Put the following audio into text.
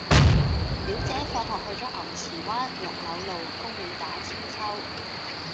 表姐放學去左牛池灣綠柳路公園打韆鞦